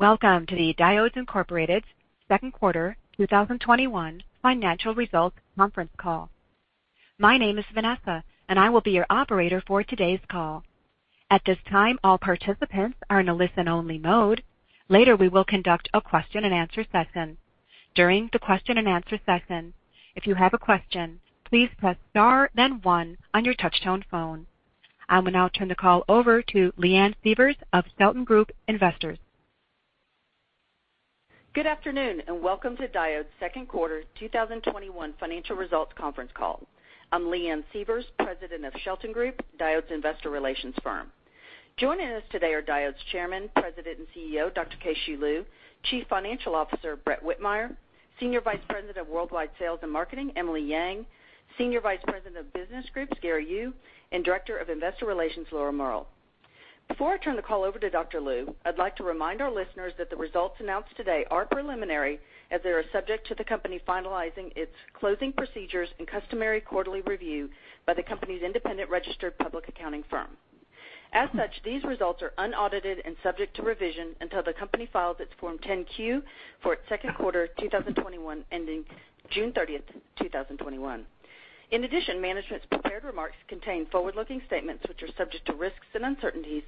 Welcome to the Diodes Incorporated second quarter 2021 financial results conference call. My name is Vanessa, and I will be your operator for today's call. At this time, all participants are in a listen-only mode. Later, we will conduct a question and answer session. During the question and answer session, if you have a question, please press star then one on your touch tone phone. I will now turn the call over to Leanne Sievers of Shelton Group Investors. Good afternoon, and welcome to Diodes' second quarter 2021 financial results conference call. I'm Leanne Sievers, president of Shelton Group, Diodes' investor relations firm. Joining us today are Diodes Chairman, President, and CEO, Dr. Keh-Shew Lu, Chief Financial Officer, Brett Whitmire, Senior Vice President of Worldwide Sales and Marketing, Emily Yang, Senior Vice President of Business Groups, Gary Yu, and Director of Investor Relations, Laura Mehrl. Before I turn the call over to Dr. Lu, I'd like to remind our listeners that the results announced today are preliminary as they are subject to the company finalizing its closing procedures and customary quarterly review by the company's independent registered public accounting firm. As such, these results are unaudited and subject to revision until the company files its Form 10-Q for its second quarter 2021 ending June 30th, 2021. Management's prepared remarks contain forward-looking statements which are subject to risks and uncertainties,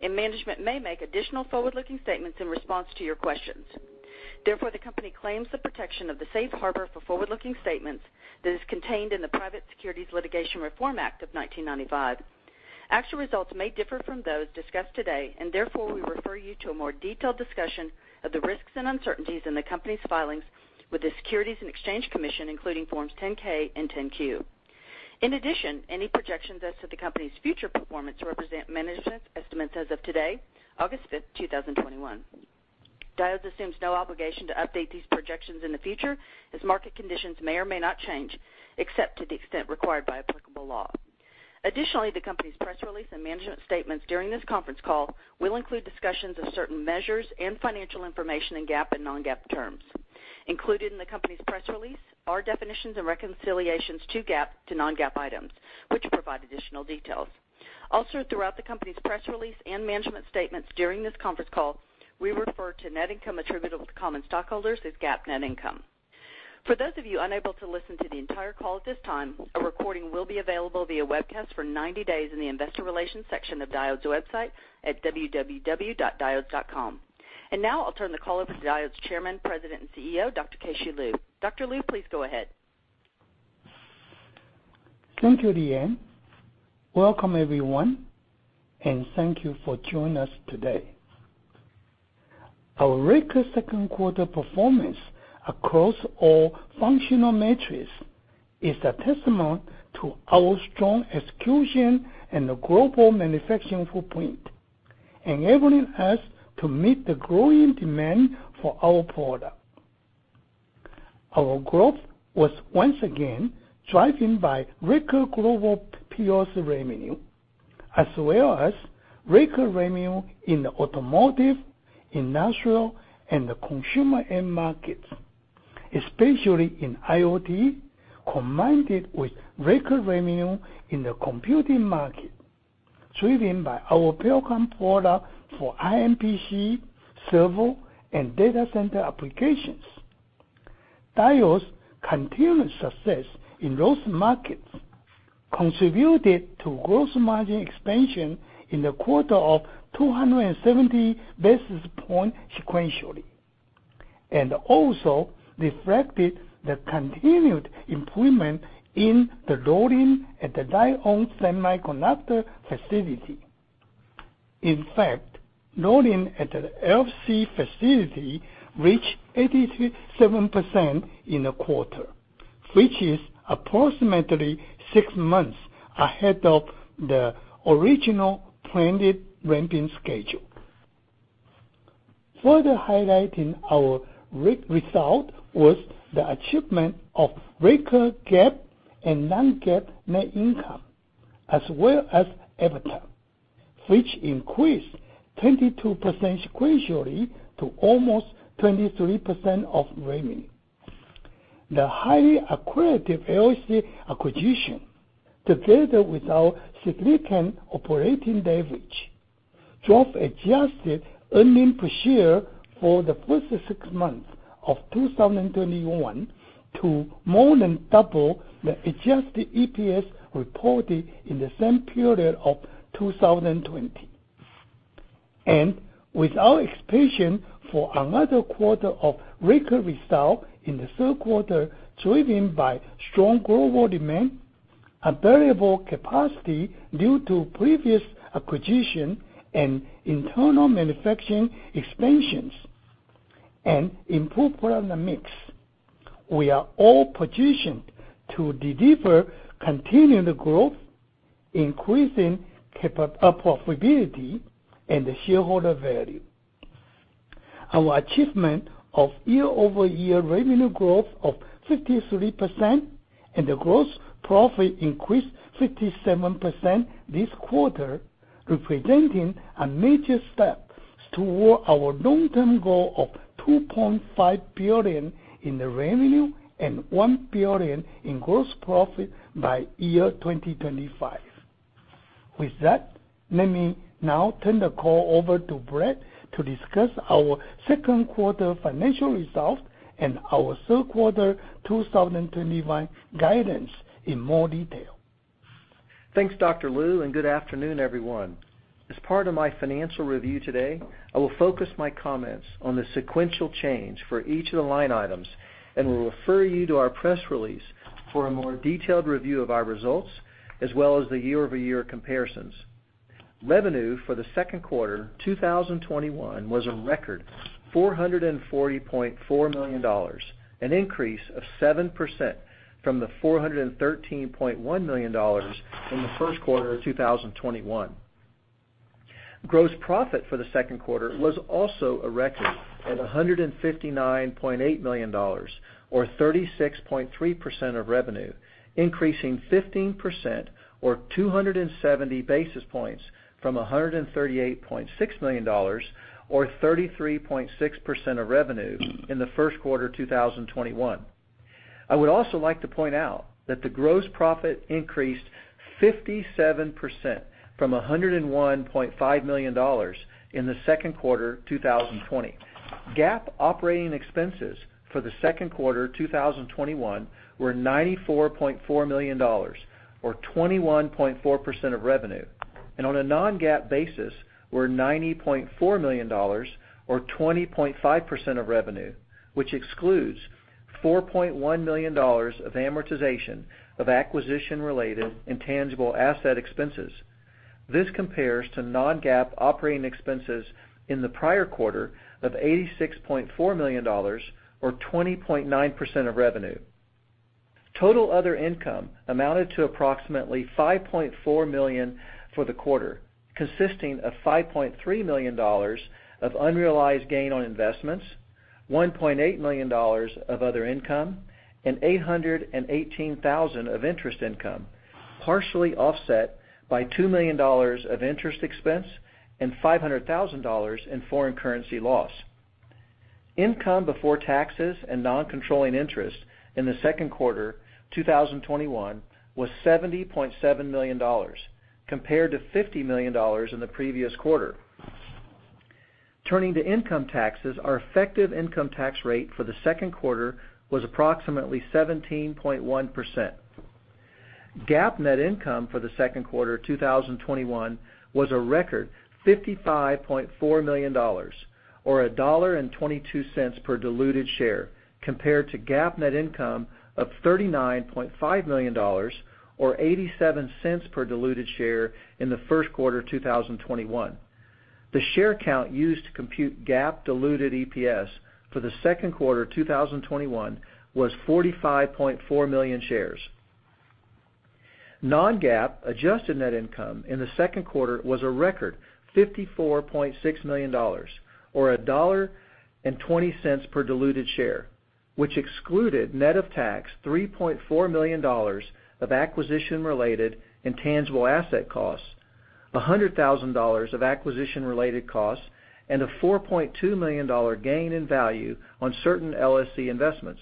and management may make additional forward-looking statements in response to your questions. The company claims the protection of the safe harbor for forward-looking statements that is contained in the Private Securities Litigation Reform Act of 1995. Actual results may differ from those discussed today, and therefore, we refer you to a more detailed discussion of the risks and uncertainties in the company's filings with the Securities and Exchange Commission, including Forms 10-K and 10-Q. Any projections as to the company's future performance represent management's estimates as of today, August 5th, 2021. Diodes assumes no obligation to update these projections in the future as market conditions may or may not change, except to the extent required by applicable law. Additionally, the company's press release and management statements during this conference call will include discussions of certain measures and financial information in GAAP and non-GAAP terms. Included in the company's press release are definitions and reconciliations to GAAP to non-GAAP items, which provide additional details. Throughout the company's press release and management statements during this conference call, we refer to net income attributable to common stockholders as GAAP net income. For those of you unable to listen to the entire call at this time, a recording will be available via webcast for 90 days in the investor relations section of Diodes' website at www.diodes.com. Now, I'll turn the call over to Diodes' Chairman, President, and CEO, Dr. Keh-Shew Lu. Dr. Lu, please go ahead. Thank you, Leanne. Welcome everyone, and thank you for joining us today. Our record second quarter performance across all functional metrics is a testament to our strong execution and the global manufacturing footprint, enabling us to meet the growing demand for our product. Our growth was once again driven by record global POS revenue, as well as record revenue in the automotive, industrial, and the consumer end markets, especially in IoT, combined with record revenue in the computing market, driven by our Pericom product for AI PC, server, and data center applications. Diodes' continuous success in those markets contributed to gross margin expansion in the quarter of 270 basis points sequentially, and also reflected the continued improvement in the loading at the Diodes-owned semiconductor facility. In fact, loading at the LSC facility reached 87% in the quarter, which is approximately six months ahead of the original planned ramping schedule. Further highlighting our result was the achievement of record GAAP and non-GAAP net income, as well as EBITDA, which increased 22% sequentially to almost 23% of revenue. The highly accretive LSC acquisition, together with our significant operating leverage, drove adjusted earnings per share for the first six months of 2021 to more than double the adjusted EPS reported in the same period of 2020. With our expansion for another quarter of record result in the third quarter, driven by strong global demand, available capacity due to previous acquisition and internal manufacturing expansions, and improved product mix, we are well positioned to deliver continued growth, increasing profitability, and shareholder value. Our achievement of year-over-year revenue growth of 53% and the gross profit increased 57% this quarter, representing a major step toward our long-term goal of $2.5 billion in revenue and $1 billion in gross profit by year 2025. With that, let me now turn the call over to Brett to discuss our second quarter financial results and our third quarter 2021 guidance in more detail. Thanks, Dr. Lu, good afternoon, everyone. As part of my financial review today, I will focus my comments on the sequential change for each of the line items and will refer you to our press release for a more detailed review of our results, as well as the year-over-year comparisons. Revenue for the second quarter 2021 was a record $440.4 million, an increase of 7% from the $413.1 million in the first quarter of 2021. Gross profit for the second quarter was also a record at $159.8 million, or 36.3% of revenue, increasing 15%, or 270 basis points from $138.6 million, or 33.6% of revenue in the first quarter 2021. I would also like to point out that the gross profit increased 57% from $101.5 million in the second quarter 2020. GAAP operating expenses for the second quarter 2021 were $94.4 million, or 21.4% of revenue, and on a non-GAAP basis were $90.4 million, or 20.5% of revenue, which excludes $4.1 million of amortization of acquisition-related intangible asset expenses. This compares to non-GAAP operating expenses in the prior quarter of $86.4 million, or 20.9% of revenue. Total other income amounted to approximately $5.4 million for the quarter, consisting of $5.3 million of unrealized gain on investments, $1.8 million of other income, and $818,000 of interest income, partially offset by $2 million of interest expense and $500,000 in foreign currency loss. Income before taxes and non-controlling interests in the second quarter 2021 was $70.7 million, compared to $50 million in the previous quarter. Turning to income taxes, our effective income tax rate for the second quarter was approximately 17.1%. GAAP net income for the second quarter 2021 was a record $55.4 million, or $1.22 per diluted share, compared to GAAP net income of $39.5 million or $0.87 per diluted share in the first quarter of 2021. The share count used to compute GAAP diluted EPS for the second quarter 2021 was 45.4 million shares. Non-GAAP adjusted net income in the second quarter was a record $54.6 million, or $1.20 per diluted share, which excluded net of tax $3.4 million of acquisition-related intangible asset costs, $100,000 of acquisition-related costs, and a $4.2 million gain in value on certain LSC investments.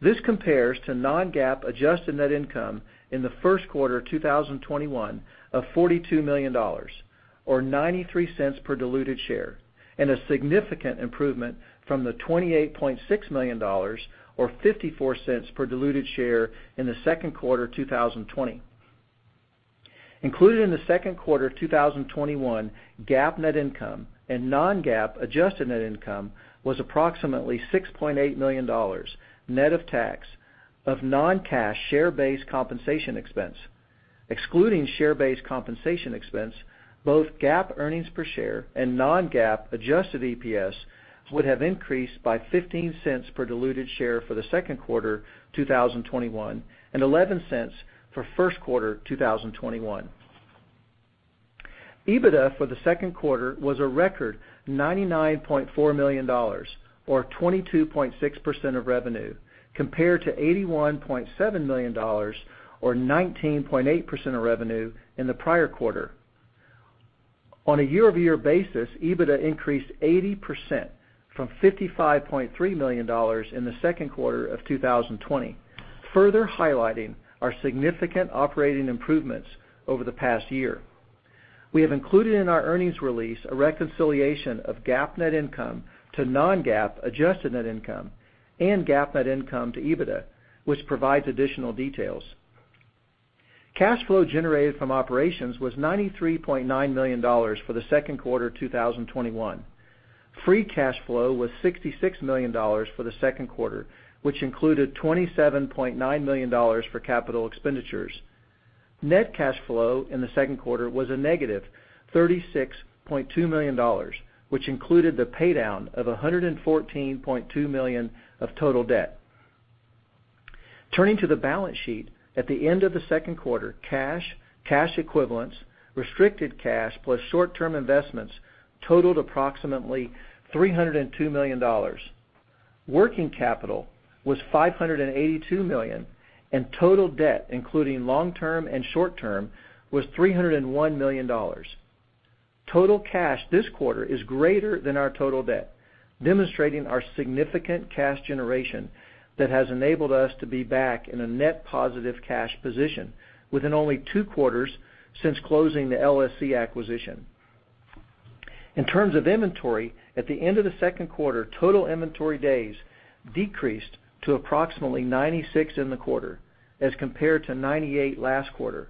This compares to non-GAAP adjusted net income in the first quarter 2021 of $42 million, or $0.93 per diluted share, and a significant improvement from the $28.6 million or $0.54 per diluted share in the second quarter 2020. Included in the second quarter 2021 GAAP net income and non-GAAP adjusted net income was approximately $6.8 million net of tax of non-cash share-based compensation expense. Excluding share-based compensation expense, both GAAP earnings per share and non-GAAP adjusted EPS would have increased by $0.15 per diluted share for the second quarter 2021, and $0.11 for first quarter 2021. EBITDA for the second quarter was a record $99.4 million, or 22.6% of revenue, compared to $81.7 million, or 19.8% of revenue in the prior quarter. On a year-over-year basis, EBITDA increased 80% from $55.3 million in the second quarter of 2020, further highlighting our significant operating improvements over the past year. We have included in our earnings release a reconciliation of GAAP net income to non-GAAP adjusted net income and GAAP net income to EBITDA, which provides additional details. Cash flow generated from operations was $93.9 million for the second quarter 2021. Free cash flow was $66 million for the second quarter, which included $27.9 million for capital expenditures. Net cash flow in the second quarter was a negative $36.2 million, which included the paydown of $114.2 million of total debt. Turning to the balance sheet, at the end of the second quarter, cash equivalents, restricted cash, plus short-term investments totaled approximately $302 million. Working capital was $582 million, and total debt, including long-term and short-term, was $301 million. Total cash this quarter is greater than our total debt, demonstrating our significant cash generation that has enabled us to be back in a net positive cash position within only two quarters since closing the LSC acquisition. In terms of inventory, at the end of the second quarter, total inventory days decreased to approximately 96 in the quarter as compared to 98 last quarter.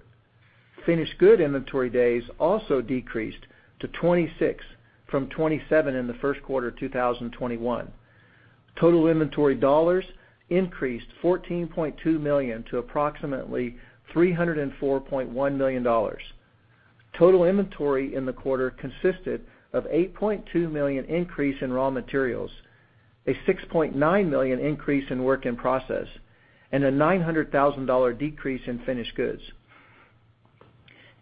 Finished good inventory days also decreased to 26 from 27 in the first quarter 2021. Total inventory dollars increased $14.2 million to approximately $304.1 million. Total inventory in the quarter consisted of an $8.2 million increase in raw materials, a $6.9 million increase in work in process, and a $900,000 decrease in finished goods.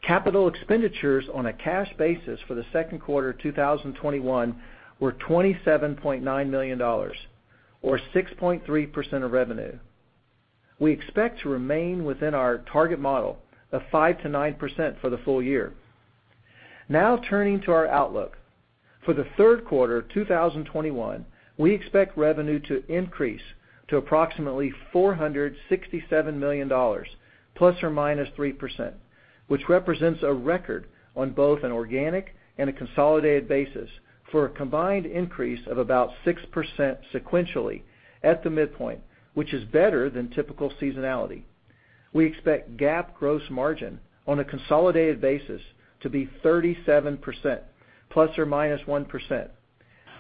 Capital expenditures on a cash basis for the second quarter 2021 were $27.9 million, or 6.3% of revenue. We expect to remain within our target model of 5%-9% for the full year. Now, turning to our outlook. For the third quarter 2021, we expect revenue to increase to approximately $467 million ±3%, which represents a record on both an organic and a consolidated basis for a combined increase of about 6% sequentially at the midpoint, which is better than typical seasonality. We expect GAAP gross margin on a consolidated basis to be 37% ±1%.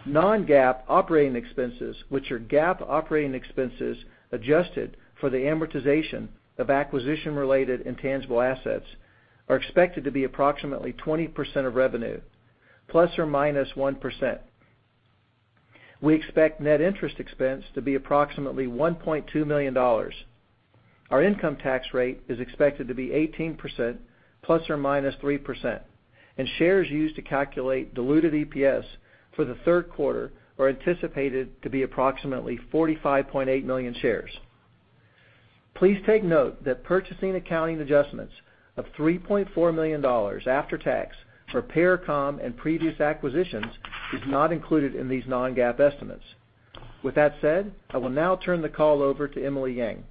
Non-GAAP operating expenses, which are GAAP operating expenses adjusted for the amortization of acquisition-related intangible assets, are expected to be approximately 20% of revenue ±1%. We expect net interest expense to be approximately $1.2 million. Our income tax rate is expected to be 18% ±3%, and shares used to calculate diluted EPS for the third quarter are anticipated to be approximately 45.8 million shares. Please take note that purchasing accounting adjustments of $3.4 million after tax for Pericom and previous acquisitions is not included in these non-GAAP estimates. With that said, I will now turn the call over to Emily Yang.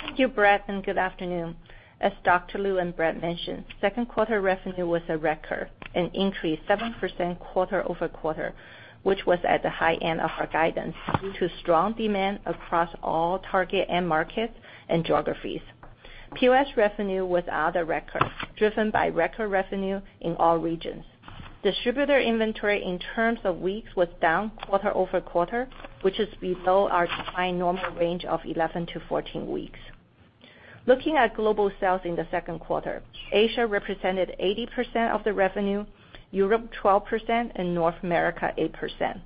Thank you, Brett, good afternoon. As Dr. Lu and Brett mentioned, second quarter revenue was a record, an increase 7% quarter-over-quarter, which was at the high end of our guidance due to strong demand across all target end markets and geographies. POS revenue was at a record, driven by record revenue in all regions. Distributor inventory in terms of weeks was down quarter-over-quarter, which is below our defined normal range of 11-14 weeks. Looking at global sales in the second quarter, Asia represented 80% of the revenue, Europe 12%, and North America 8%.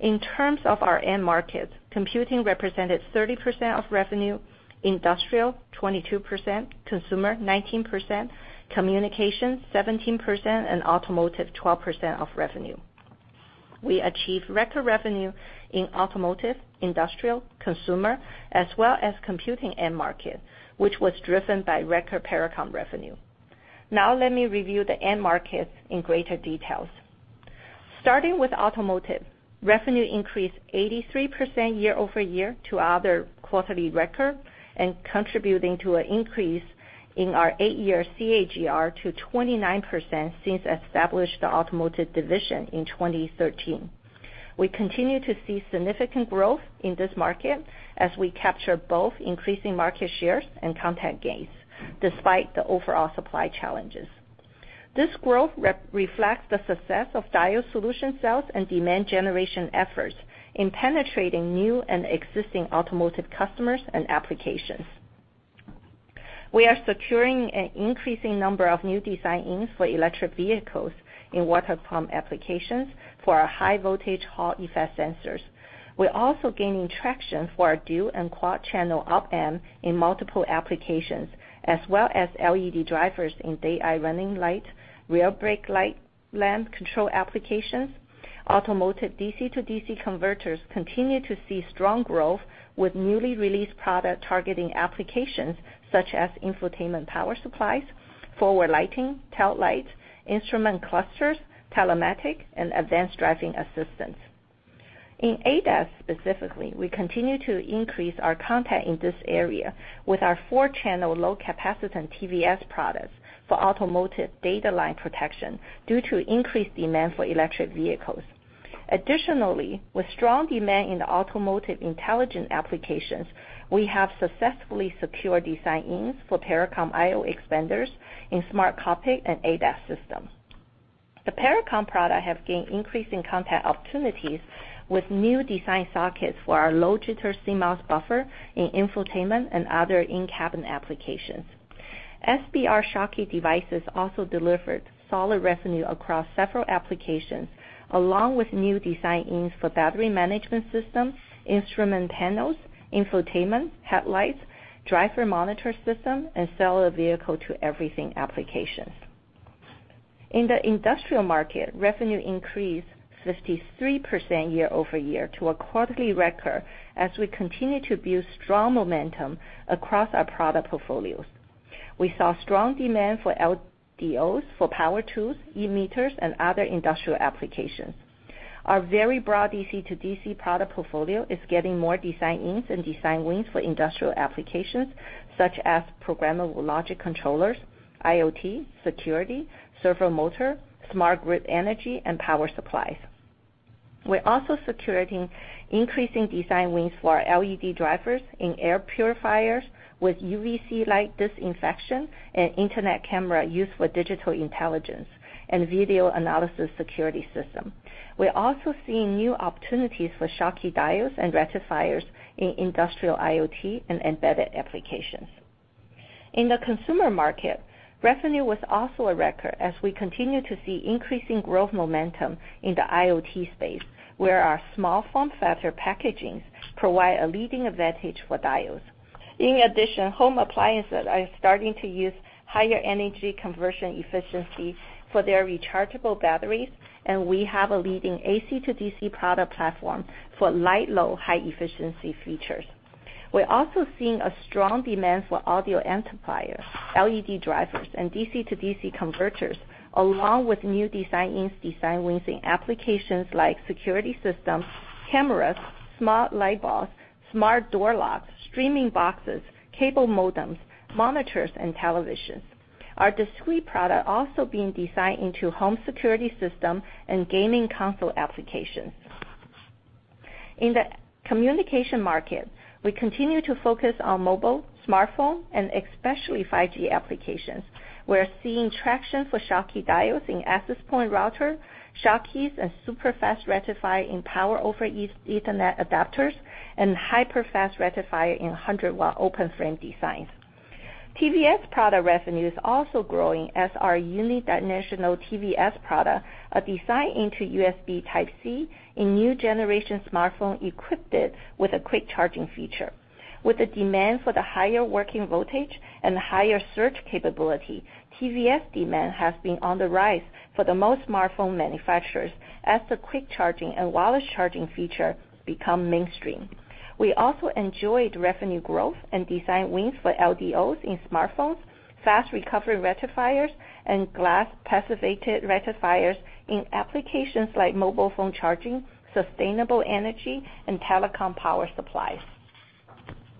In terms of our end markets, computing represented 30% of revenue, industrial 22%, consumer 19%, communication 17%, and automotive 12% of revenue. We achieved record revenue in automotive, industrial, consumer, as well as computing end market, which was driven by record Pericom revenue. Now let me review the end markets in greater details. Starting with automotive. Revenue increased 83% year-over-year to another quarterly record and contributing to an increase in our eight-year CAGR to 29% since established the automotive division in 2013. We continue to see significant growth in this market as we capture both increasing market shares and content gains, despite the overall supply challenges. This growth reflects the success of Diodes solution sales and demand generation efforts in penetrating new and existing automotive customers and applications. We are securing an increasing number of new design-ins for electric vehicles in water pump applications for our high voltage Hall effect sensors. We're also gaining traction for our dual and quad-channel op-amp in multiple applications, as well as LED drivers in daytime running light, rear brake light lamp control applications. Automotive DC-to-DC converters continue to see strong growth with newly released product targeting applications such as infotainment power supplies, forward lighting, tail lights, instrument clusters, telematics, and advanced driving assistance. In ADAS specifically, we continue to increase our content in this area with our 4-channel low capacitance TVS products for automotive data line protection due to increased demand for electric vehicles. With strong demand in the automotive intelligent applications, we have successfully secured design-ins for Pericom IO expanders in smart cockpit and ADAS systems. The Pericom product have gained increasing content opportunities with new design sockets for our low jitter CMOS buffer in infotainment and other in-cabin applications. SBR Schottky devices also delivered solid revenue across several applications, along with new design-ins for battery management systems, instrument panels, infotainment, headlights, driver monitor system, and vehicle-to-everything applications. In the industrial market, revenue increased 53% year-over-year to a quarterly record as we continue to build strong momentum across our product portfolios. We saw strong demand for LDOs for power tools, e-meters, and other industrial applications. Our very broad DC-to-DC product portfolio is getting more design-ins and design wins for industrial applications such as programmable logic controllers, IoT, security, servo motor, smart grid energy, and power supplies. We're also securing increasing design wins for our LED drivers in air purifiers with UVC light disinfection and internet camera used for digital intelligence and video analysis security system. We're also seeing new opportunities for Schottky diodes and rectifiers in industrial IoT and embedded applications. In the consumer market, revenue was also a record as we continue to see increasing growth momentum in the IoT space, where our small form factor packagings provide a leading advantage for diodes. In addition, home appliances are starting to use higher energy conversion efficiency for their rechargeable batteries, and we have a leading AC-to-DC product platform for light load, high efficiency features. We're also seeing a strong demand for audio amplifiers, LED drivers, and DC-to-DC converters, along with new design-ins, design wins in applications like security systems, cameras, smart light bulbs, smart door locks, streaming boxes, cable modems, monitors, and televisions. Our discrete product also being designed into home security system and gaming console applications. In the communication market, we continue to focus on mobile, smartphone, and especially 5G applications. We are seeing traction for Schottky diodes in access point router, Schottky and super-fast rectifier in Power over Ethernet adapters, and hyper-fast rectifier in 100 W open frame designs. TVS product revenue is also growing as our unique unidirectional TVS product are designed into USB Type-C in new generation smartphone equipped with a quick charging feature. With the demand for the higher working voltage and the higher surge capability, TVS demand has been on the rise for the most smartphone manufacturers as the quick charging and wireless charging feature become mainstream. We also enjoyed revenue growth and design wins for LDOs in smartphones, fast recovery rectifiers, and glass passivated rectifiers in applications like mobile phone charging, sustainable energy, and telecom power supplies.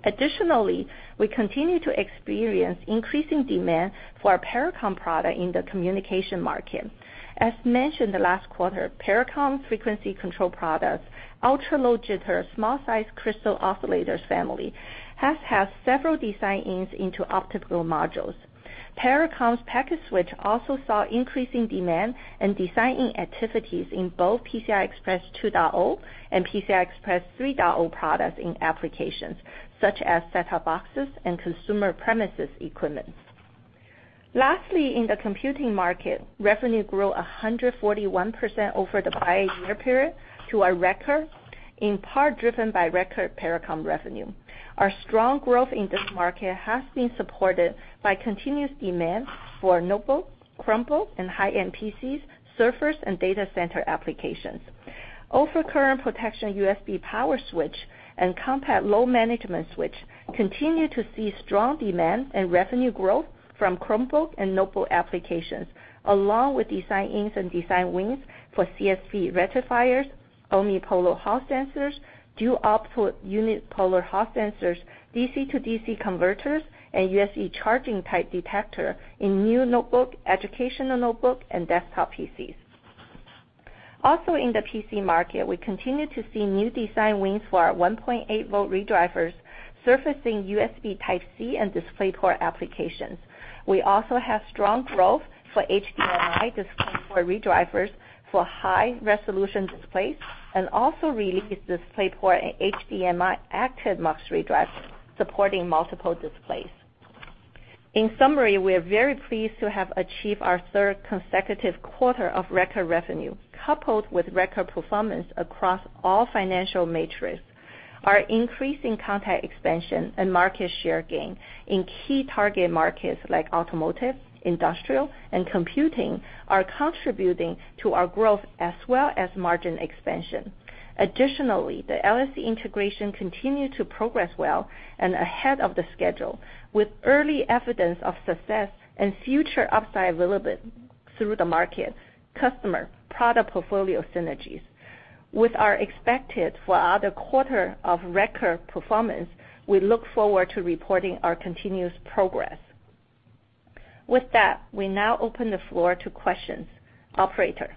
Additionally, we continue to experience increasing demand for our Pericom product in the communication market. As mentioned the last quarter, Pericom frequency control products, ultra-low jitter, small size crystal oscillators family has had several design-ins into optical modules. Pericom's packet switch also saw increasing demand and design-in activities in both PCI Express 2.0 and PCI Express 3.0 products in applications such as set-top boxes and consumer premises equipments. Lastly, in the computing market, revenue grew 141% over the prior year period to a record in part driven by record Pericom revenue. Our strong growth in this market has been supported by continuous demand for notebook, Chromebook, and high-end PCs, servers, and data center applications. Overcurrent protection USB power switch and compact load management switch continue to see strong demand and revenue growth from Chromebook and notebook applications, along with design-ins and design wins for CSP rectifiers, omnipolar Hall sensors, dual output unipolar Hall sensors, DC-to-DC converters, and USB charging type detector in new notebook, educational notebook, and desktop PCs. In the PC market, we continue to see new design wins for our 1.8V ReDrivers surfacing USB Type-C and DisplayPort applications. We also have strong growth for HDMI DisplayPort ReDrivers for high-resolution displays and also released DisplayPort and HDMI active mux Redrivers supporting multiple displays. In summary, we are very pleased to have achieved our third consecutive quarter of record revenue, coupled with record performance across all financial metrics. Our increasing content expansion and market share gain in key target markets like automotive, industrial, and computing are contributing to our growth as well as margin expansion. Additionally, the LSC integration continued to progress well and ahead of the schedule with early evidence of success and future upside available through the market customer product portfolio synergies. With our expected for another quarter of record performance, we look forward to reporting our continuous progress. With that, we now open the floor to questions. Operator.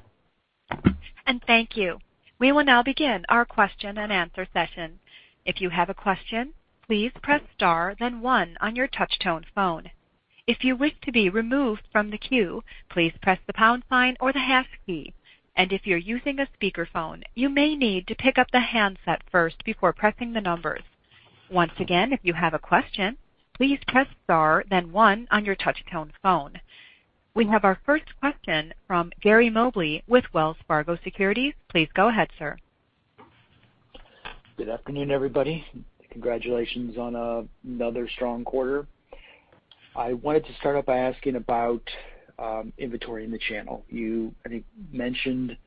Thank you. We will now begin our question and answer session. If you have a question, please press star then one on your touch-tone phone. If you wish to be removed from the queue, please press the pound sign or the hash key. If you're using a speakerphone, you may need to pick up the handset first before pressing the numbers. Once again, if you have a question, please press star then one on your touch-tone phone. We have our first question from Gary Mobley with Wells Fargo Securities. Please go ahead, sir. Good afternoon, everybody. Congratulations on another strong quarter. I wanted to start off by asking about inventory in the channel. You, I think, mentioned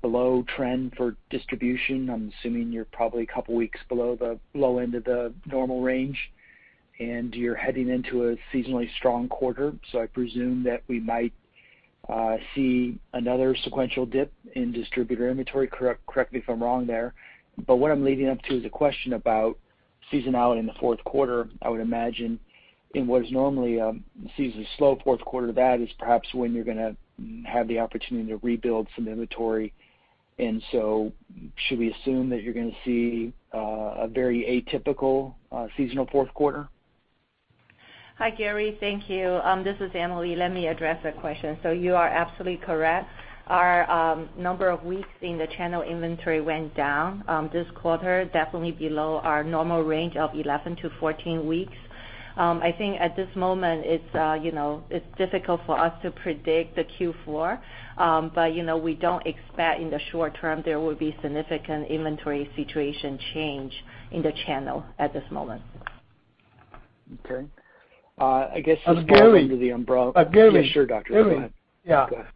below trend for distribution. I'm assuming you're probably two weeks below the low end of the normal range, and you're heading into a seasonally strong quarter. I presume that we might see another sequential dip in distributor inventory. Correct me if I'm wrong there, but what I'm leading up to is a question about seasonality in the fourth quarter. I would imagine in what is normally a season slow fourth quarter, that is perhaps when you're going to have the opportunity to rebuild some inventory. Should we assume that you're going to see a very atypical seasonal fourth quarter? Hi, Gary. Thank you. This is Emily. Let me address that question. You are absolutely correct. Our number of weeks in the channel inventory went down, this quarter definitely below our normal range of 11-14 weeks. I think at this moment it's difficult for us to predict the Q4. We don't expect in the short term there will be significant inventory situation change in the channel at this moment. Okay. I guess this falls under the umbrella- Gary. Yes, sure, Dr. Lu. Go ahead.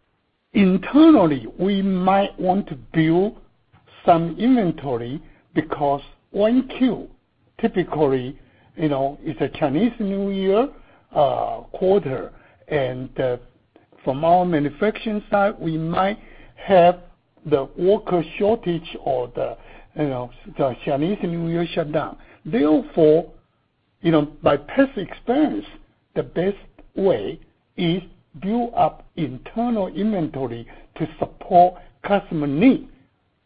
Internally, we might want to build some inventory because 1Q, typically, is a Chinese New Year quarter. From our manufacturing side, we might have the worker shortage or the Chinese New Year shutdown. Therefore, by past experience, the best way is build up internal inventory to support customer needs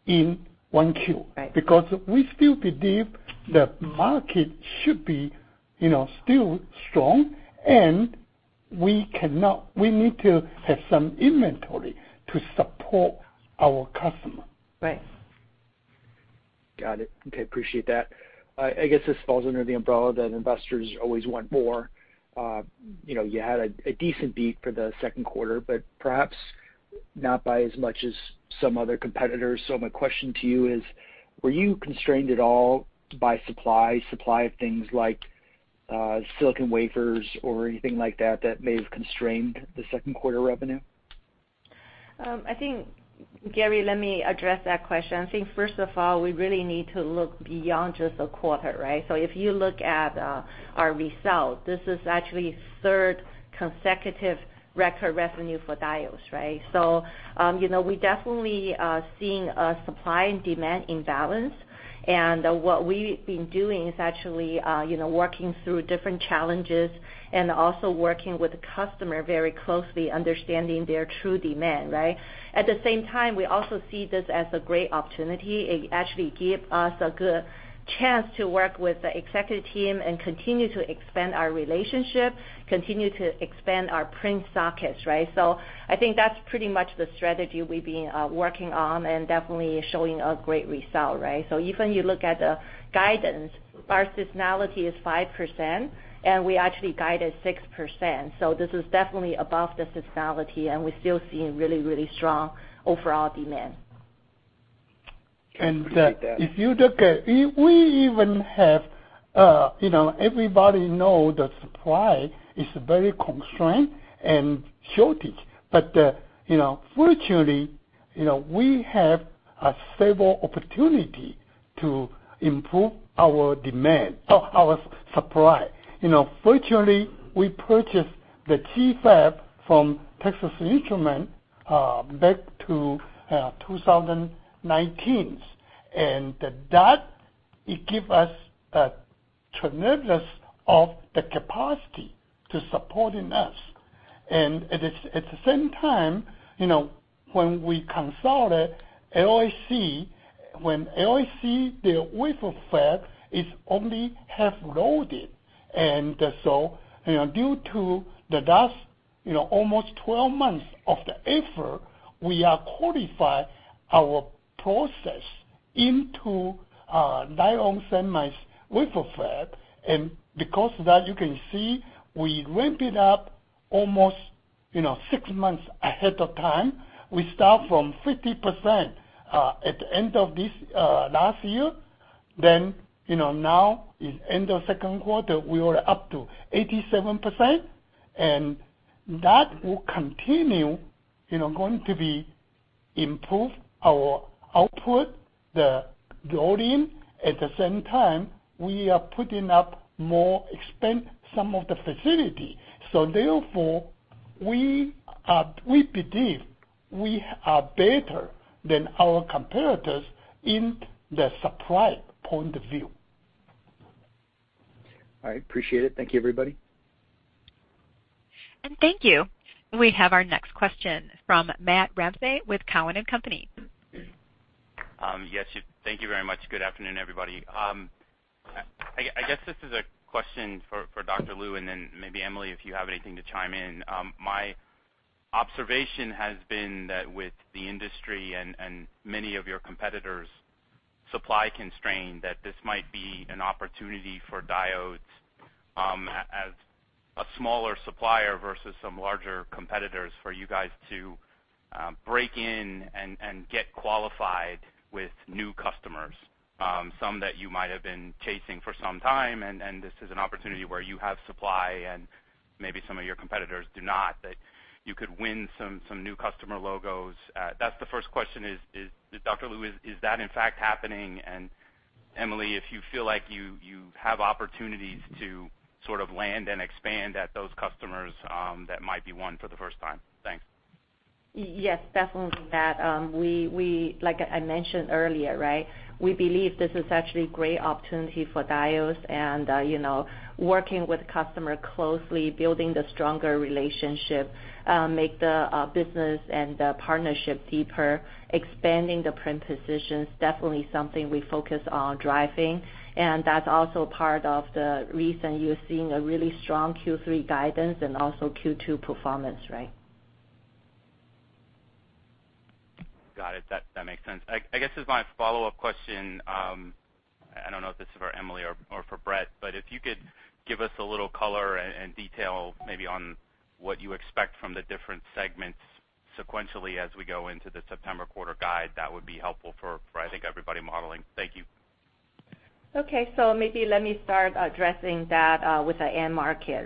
in 1Q. Right. We still believe the market should be still strong, and we need to have some inventory to support our customer. Got it. Okay. Appreciate that. I guess this falls under the umbrella that investors always want more. You had a decent beat for the second quarter, but perhaps not by as much as some other competitors. My question to you is: Were you constrained at all by supply of things like silicon wafers or anything like that may have constrained the second quarter revenue? I think, Gary, let me address that question. I think, first of all, we really need to look beyond just a quarter, right? If you look at our results, this is actually third consecutive record revenue for Diodes, right? We definitely are seeing a supply and demand imbalance. What we've been doing is actually working through different challenges and also working with the customer very closely, understanding their true demand. Right? At the same time, we also see this as a great opportunity. It actually give us a good chance to work with the executive team and continue to expand our relationship, continue to expand our print sockets, right? I think that's pretty much the strategy we've been working on and definitely showing a great result, right? Even you look at the guidance, our seasonality is 5%, and we actually guided 6%. This is definitely above the seasonality, and we're still seeing really, really strong overall demand. Appreciate that. Everybody know that supply is very constrained and shortage. Fortunately, we have a stable opportunity to improve our supply. Fortunately, we purchased the GFAB from Texas Instruments back to 2019. That, it give us a tremendous of the capacity to supporting us. At the same time, when we consulted LSC, when LSC, their wafer fab is only half loaded. Due to the last almost 12 months of the effort, we are qualified our process into Diodes Incorporated's wafer fab. Because of that, you can see we ramped it up almost six months ahead of time. We start from 50% at the end of last year. Now is end of second quarter, we are up to 87%, and that will continue, going to be improve our output, the volume. At the same time, we are putting up more expand some of the facility. Therefore, we believe we are better than our competitors in the supply point of view. All right. Appreciate it. Thank you, everybody. Thank you. We have our next question from Matthew Ramsay with Cowen and Company. Yes. Thank you very much. Good afternoon, everybody. I guess this is a question for Dr. Lu, then maybe Emily, if you have anything to chime in. My observation has been that with the industry and many of your competitors supply constrained, that this might be an opportunity for Diodes as a smaller supplier versus some larger competitors for you guys to break in and get qualified with new customers. Some that you might have been chasing for some time, this is an opportunity where you have supply and maybe some of your competitors do not, that you could win some new customer logos. That's the first question is, Dr. Lu, is that in fact happening? Emily, if you feel like you have opportunities to sort of land and expand at those customers that might be one for the first time. Thanks. Yes, definitely, Matthew. Like I mentioned earlier, we believe this is actually great opportunity for Diodes and working with customer closely, building the stronger relationship, make the business and the partnership deeper, expanding the footprint positions, definitely something we focus on driving. That's also part of the reason you're seeing a really strong Q3 guidance and also Q2 performance. Got it. That makes sense. I guess as my follow-up question, I don't know if this is for Emily or for Brett, but if you could give us a little color and detail maybe on what you expect from the different segments sequentially as we go into the September quarter guide, that would be helpful for I think everybody modeling. Thank you. Okay, maybe let me start addressing that with the end market.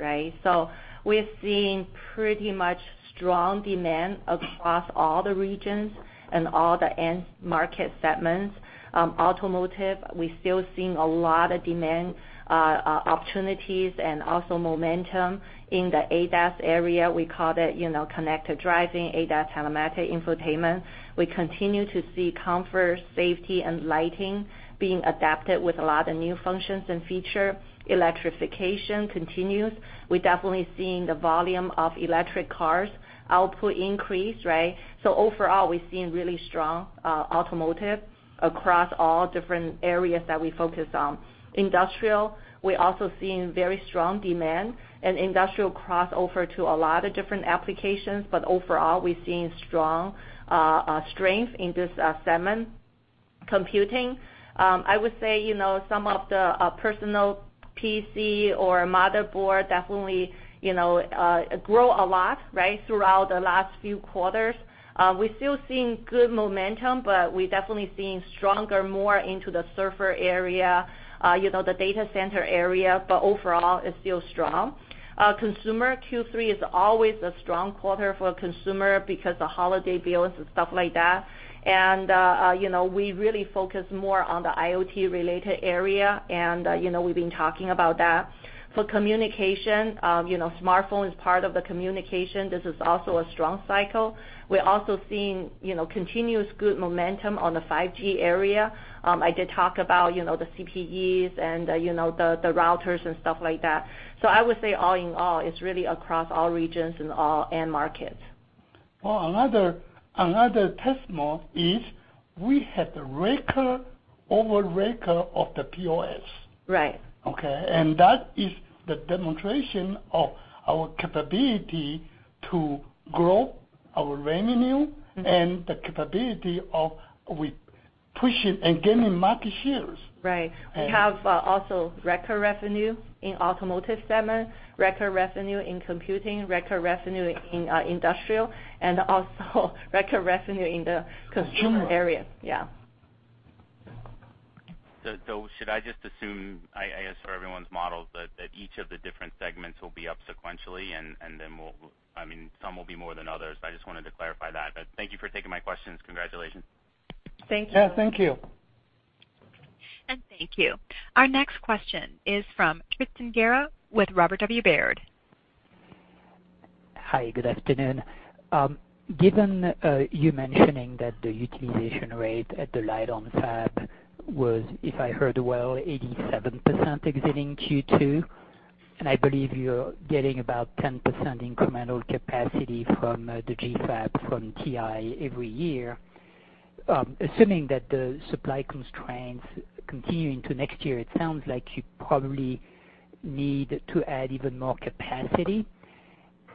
We're seeing pretty much strong demand across all the regions and all the end market segments. Automotive, we're still seeing a lot of demand opportunities and also momentum in the ADAS area. We call that connected driving, ADAS, telematics, infotainment. We continue to see comfort, safety, and lighting being adapted with a lot of new functions and feature. Electrification continues. We're definitely seeing the volume of electric cars output increase. Overall, we're seeing really strong automotive across all different areas that we focus on. Industrial, we're also seeing very strong demand and industrial cross over to a lot of different applications, but overall, we're seeing strength in this segment. Computing, I would say some of the personal PC or motherboard definitely grow a lot throughout the last few quarters. We're still seeing good momentum, but we're definitely seeing stronger, more into the server area, the data center area. Overall, it's still strong. Consumer Q3 is always a strong quarter for consumer because the holiday bills and stuff like that. We really focus more on the IoT related area, and we've been talking about that. For communication, smartphone is part of the communication. This is also a strong cycle. We're also seeing continuous good momentum on the 5G area. I did talk about the CPEs and the routers and stuff like that. I would say all in all, it's really across all regions and all end markets. Well, another testament is we had the record over record of the POS. Right. Okay. That is the demonstration of our capability to grow our revenue and the capability of we pushing and gaining market shares. Right. We have also record revenue in automotive segment, record revenue in computing, record revenue in industrial, and also record revenue in the consumer area. Consumer. Yeah. Should I just assume, I guess for everyone's models, that each of the different segments will be up sequentially and then some will be more than others, but I just wanted to clarify that. Thank you for taking my questions. Congratulations. Thank you. Yeah, thank you. Thank you. Our next question is from Tristan Gerra with Robert W. Baird. Hi, good afternoon. Given you mentioning that the utilization rate at the Lite-On fab was, if I heard well, 87% exiting Q2, and I believe you're getting about 10% incremental capacity from the GFAB from TI every year. Assuming that the supply constraints continue into next year, it sounds like you probably need to add even more capacity.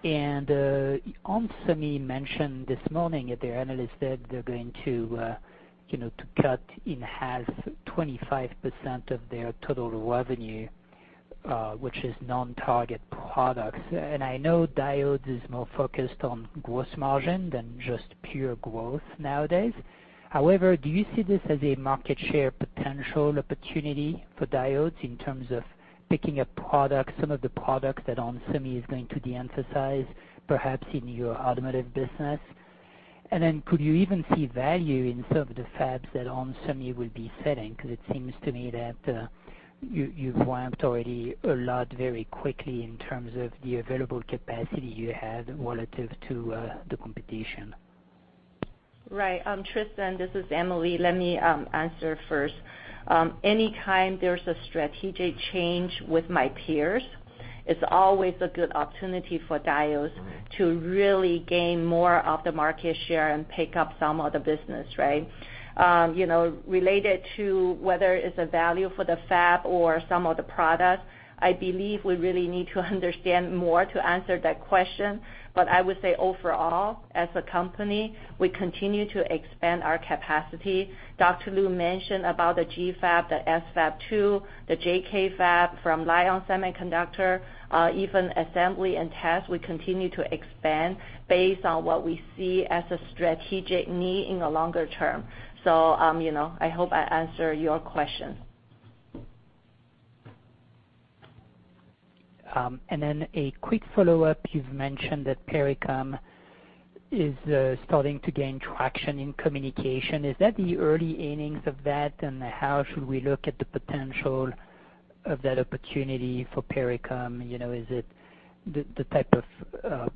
onsemi mentioned this morning at their analyst day they're going to cut in half 25% of their total revenue, which is non-target products. I know Diodes is more focused on gross margin than just pure growth nowadays. However, do you see this as a market share potential opportunity for Diodes in terms of picking up products, some of the products that onsemi is going to de-emphasize, perhaps in your automotive business? Could you even see value in some of the fabs that onsemi will be selling? It seems to me that you've ramped already a lot very quickly in terms of the available capacity you had relative to the competition. Right. Tristan, this is Emily. Let me answer first. Any time there's a strategic change with my peers, it's always a good opportunity for Diodes to really gain more of the market share and pick up some of the business. Related to whether it's a value for the fab or some of the products, I believe we really need to understand more to answer that question. I would say overall, as a company, we continue to expand our capacity. Dr. Lu mentioned about the GFAB, the SFAB 2, the Keelung fab from Lite-On Semiconductor. Even assembly and test, we continue to expand based on what we see as a strategic need in the longer term. I hope I answer your question. A quick follow-up. You've mentioned that Pericom is starting to gain traction in communication. Is that the early innings of that? How should we look at the potential of that opportunity for Pericom? Is it the type of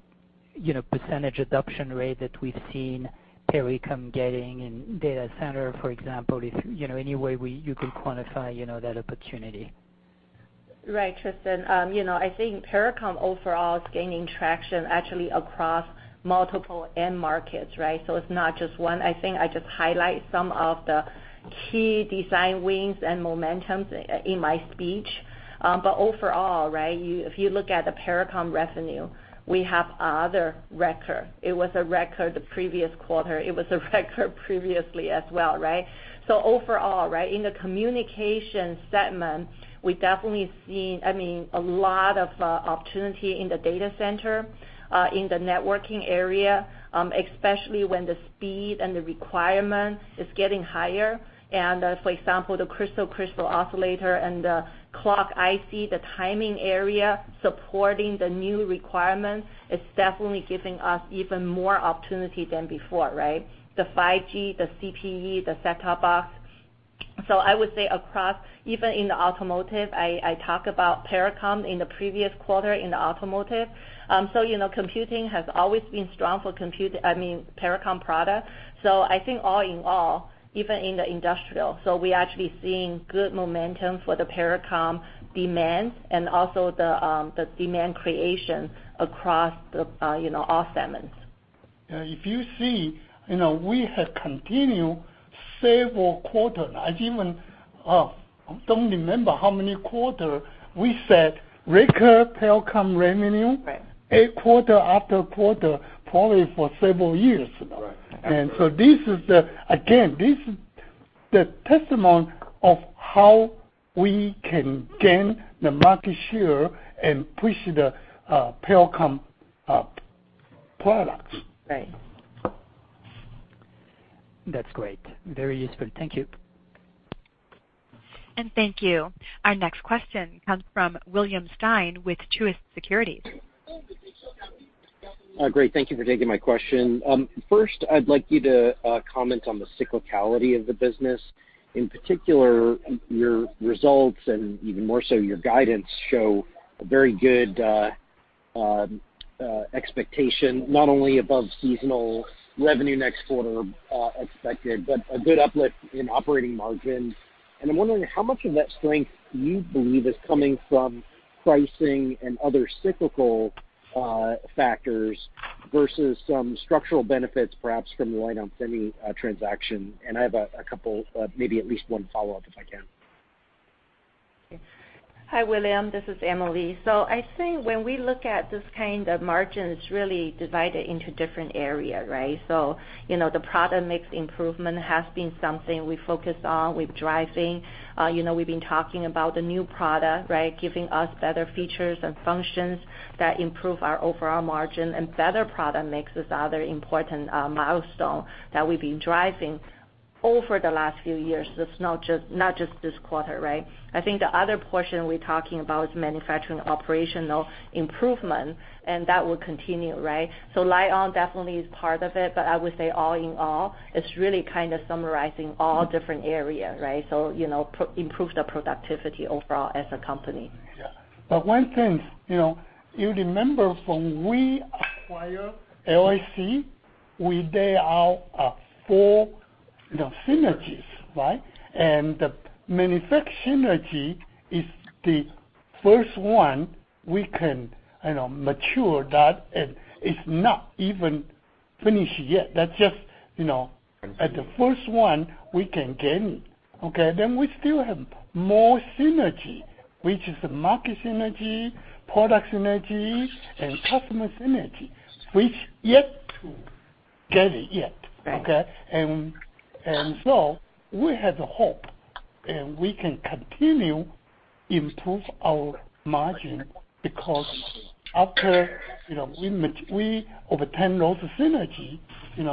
percentage adoption rate that we've seen Pericom getting in data center, for example, if any way you can quantify that opportunity? Tristan. I think Pericom overall is gaining traction across multiple end markets. It's not just one. I think I just highlight some of the key design wins and momentums in my speech. Overall, if you look at the Pericom revenue, we had another record. It was a record the previous quarter. It was a record previously as well. Overall, in the communication segment, we're definitely seeing a lot of opportunity in the data center, in the networking area, especially when the speed and the requirement is getting higher. For example, the crystal oscillator and the clock IC, the timing area supporting the new requirements, is definitely giving us even more opportunity than before. The 5G, the CPE, the set-top box. I would say across, even in the automotive, I talk about Pericom in the previous quarter in the automotive. Computing has always been strong for Pericom product. I think all in all, even in the industrial, we actually seeing good momentum for the Pericom demand and also the demand creation across all segments. Yeah. If you see, we have continued several quarter. I don't remember how many quarter we said record Pericom revenue. Right. Quarter after quarter, probably for several years now. Right. This is, again, this is the testament of how we can gain the market share and push the Pericom products. That's great. Very useful. Thank you. Thank you. Our next question comes from William Stein with Truist Securities. Great. Thank you for taking my question. First, I'd like you to comment on the cyclicality of the business. In particular, your results and even more so your guidance show a very good expectation, not only above seasonal revenue next quarter expected, but a good uplift in operating margin. I'm wondering how much of that strength you believe is coming from pricing and other cyclical factors versus some structural benefits, perhaps from the Lite-On Semi transaction. I have a couple, maybe at least one follow-up, if I can. Hi, William. This is Emily. I think when we look at this kind of margins really divided into different area, right? The product mix improvement has been something we focus on. We've been talking about the new product, giving us better features and functions that improve our overall margin, and better product mix is the other important milestone that we've been driving over the last few years. It's not just this quarter, right? I think the other portion we're talking about is manufacturing operational improvement, and that will continue, right? Lite-On definitely is part of it, but I would say all in all, it's really kind of summarizing all different area, right? Improve the productivity overall as a company. Yeah. One thing, you remember from we acquire LSC, we lay out four synergies, right? The manufacture synergy is the first one we can mature that, and it's not even finished yet. That's just at the first one we can gain. Okay? We still have more synergy, which is the market synergy, product synergy, and customer synergy, which yet to get it yet. Okay? We have the hope, and we can continue improve our margin because after we obtain those synergy. In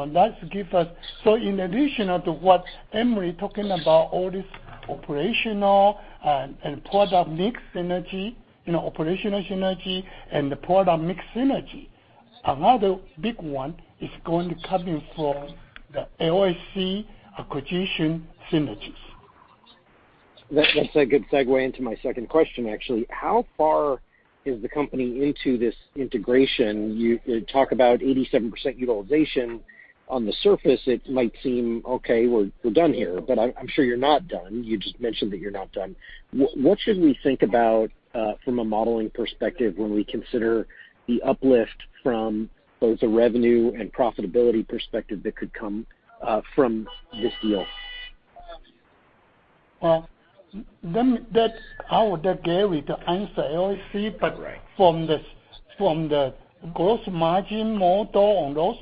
addition to what Emily talking about, all this operational and product mix synergy, operational synergy and the product mix synergy, another big one is going to come in from the LSC acquisition synergies. That's a good segue into my second question, actually. How far is the company into this integration? You talk about 87% utilization. On the surface, it might seem, okay, we're done here, but I'm sure you're not done. You just mentioned that you're not done. What should we think about from a modeling perspective when we consider the uplift from both a revenue and profitability perspective that could come from this deal? Well, I would give it to Gary Yu to answer LSC. Right. From the gross margin model on those,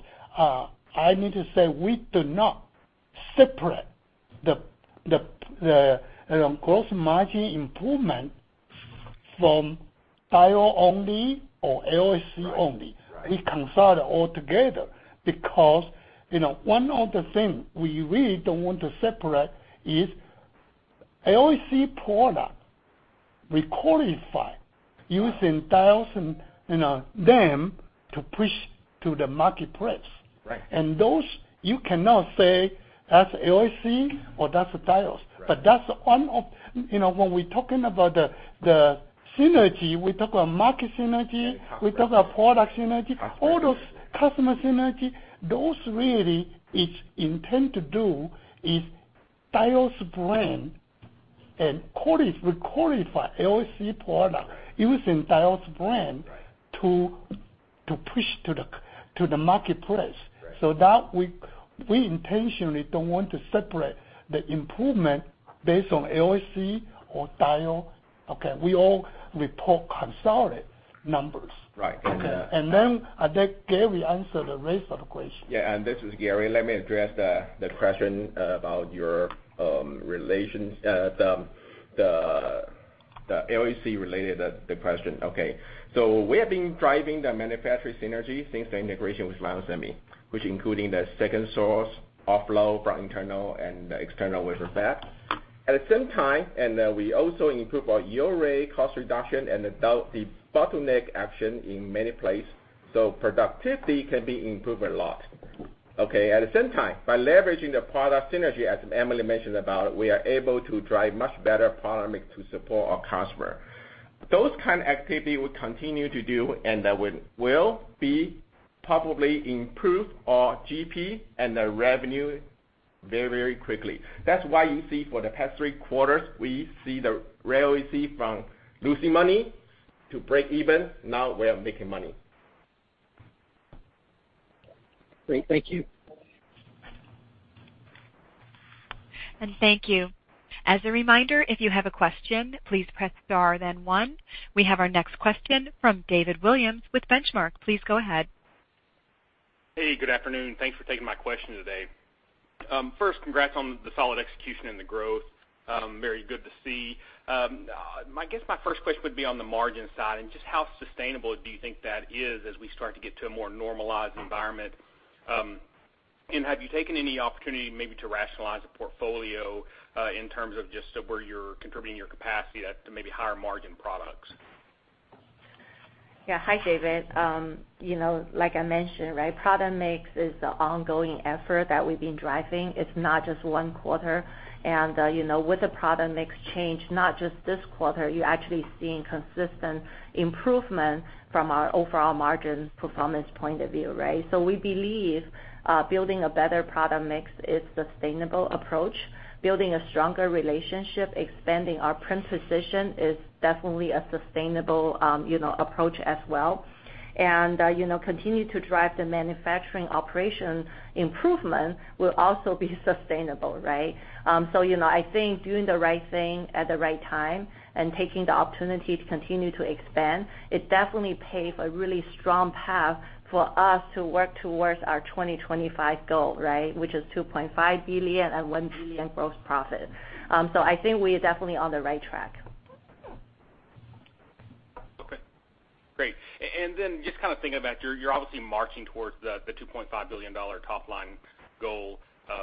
I need to say we do not separate the gross margin improvement from Diodes only or LSC only. Right. We consider all together because one of the things we really don't want to separate is LSC product. We qualify using Diodes and them to push to the marketplace. Right. Those you cannot say that's LSC or that's Diodes. Right. When we're talking about the synergy, we talk about market synergy. Right, customer. we talk about product synergy. Customer all those customer synergy, those really is intend to do is Diodes brand and we qualify LSC product. Right using Diodes Right to push to the marketplace. Right. That we intentionally don't want to separate the improvement based on LSC or Diodes. Okay. We all report consolidated numbers. Right. Okay. Okay. I let Gary answer the rest of the question. Yeah. This is Gary. Let me address the question about your relations, the LSC related question. Okay. We have been driving the manufacturer synergy since the integration with Lite-On Semi, which including the second source offload from internal and external wafer fab. At the same time, we also improve our yield rate, cost reduction, and adopt the bottleneck action in many place, productivity can be improved a lot. Okay. At the same time, by leveraging the product synergy, as Emily mentioned about, we are able to drive much better product mix to support our customer. Those kind of activity we continue to do, that will be probably improve our GP and the revenue very quickly. That's why you see for the past three quarters, we see the revenue from losing money to breakeven. Now we are making money. Great. Thank you. Thank you. As a reminder, if you have a question, please press star then one. We have our next question from David Williams with Benchmark. Please go ahead. Hey, good afternoon. Thanks for taking my question today. First, congrats on the solid execution and the growth. Very good to see. I guess my first question would be on the margin side and just how sustainable do you think that is as we start to get to a more normalized environment? Have you taken any opportunity maybe to rationalize the portfolio, in terms of just so where you're contributing your capacity to maybe higher margin products? Yeah. Hi, David. Like I mentioned, product mix is an ongoing effort that we've been driving. It's not just one quarter. With the product mix change, not just this quarter, you're actually seeing consistent improvement from our overall margin performance point of view. We believe building a better product mix is sustainable approach. Building a stronger relationship, expanding our print position is definitely a sustainable approach as well. Continue to drive the manufacturing operation improvement will also be sustainable. I think doing the right thing at the right time and taking the opportunity to continue to expand, it definitely pave a really strong path for us to work towards our 2025 goal. Which is $2.5 billion and $1 billion gross profit. I think we are definitely on the right track. Okay. Great. Just kind of thinking about you're obviously marching towards the $2.5 billion top line goal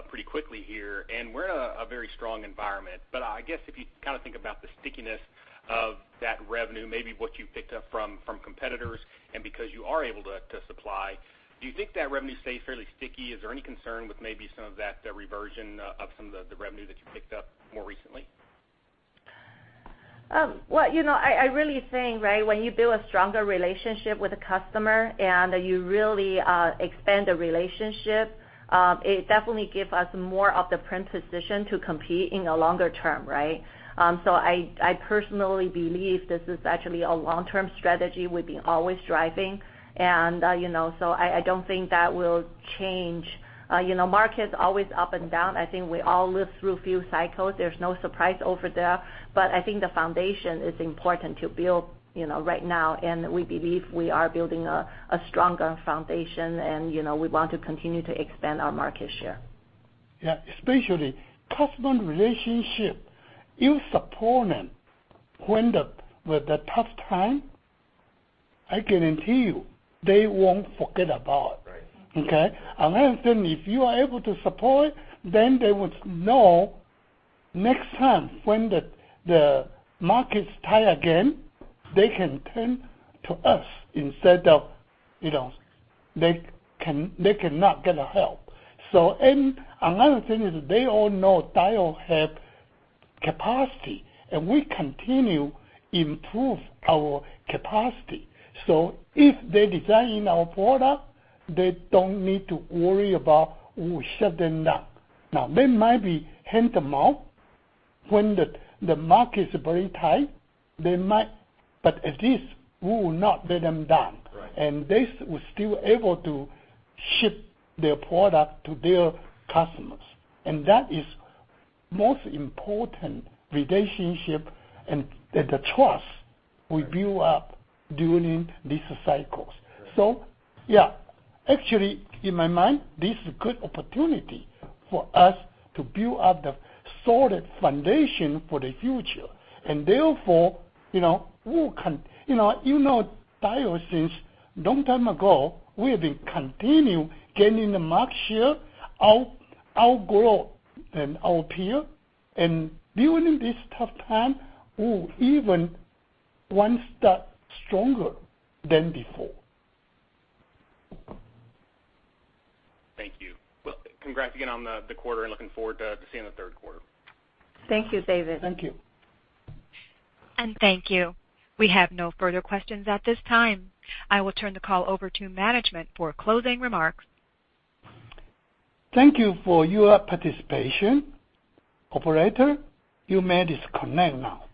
pretty quickly here, and we're in a very strong environment, but I guess if you kind of think about the stickiness of that revenue, maybe what you picked up from competitors, and because you are able to supply, do you think that revenue stays fairly sticky? Is there any concern with maybe some of that reversion of some of the revenue that you picked up more recently? I really think when you build a stronger relationship with a customer and you really expand the relationship, it definitely give us more of the print position to compete in a longer term. I personally believe this is actually a long-term strategy we've been always driving, and so I don't think that will change. Market's always up and down. I think we all live through few cycles. There's no surprise over there, but I think the foundation is important to build right now, and we believe we are building a stronger foundation, and we want to continue to expand our market share. Yeah, especially customer relationship. You support them when the tough time, I guarantee you, they won't forget about. Right. Okay. Another thing, if you are able to support, they would know next time when the market's tight again, they can turn to us instead of they cannot get the help. Another thing is they all know Diodes have capacity, and we continue improve our capacity. If they design in our product, they don't need to worry about we shut them down. Now, they might be hand to mouth when the market is very tight, at least we will not let them down. Right. They will still able to ship their product to their customers. That is most important relationship and the trust we build up during these cycles. Right. Yeah, actually, in my mind, this is a good opportunity for us to build up the solid foundation for the future. Therefore, you know Diodes since long time ago, we have been continue gaining the market share, outgrow our peer. During this tough time, we're even one step stronger than before. Thank you. Well, congrats again on the quarter and looking forward to seeing the third quarter. Thank you, David. Thank you. Thank you. We have no further questions at this time. I will turn the call over to management for closing remarks. Thank you for your participation. Operator, you may disconnect now.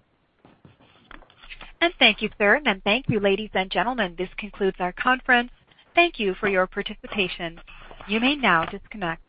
Thank you, sir. Thank you, ladies and gentlemen. This concludes our conference. Thank you for your participation. You may now disconnect.